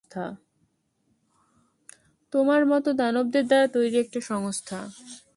তোমার মতো দানবদের দ্বারা তৈরি একটা সংস্থা।